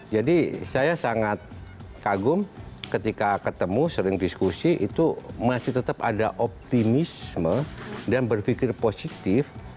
saya sangat kagum ketika ketemu sering diskusi itu masih tetap ada optimisme dan berpikir positif